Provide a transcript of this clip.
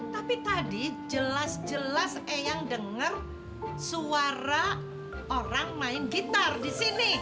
tapi tadi jelas jelas eyang denger suara orang main gitar di sini